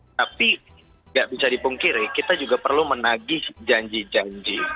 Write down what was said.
tapi tidak bisa dipungkiri kita juga perlu menagih janji janji